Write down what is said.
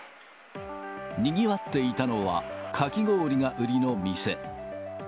にぎわっていたのは、かき氷が売りの店。